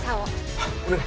ああお願い。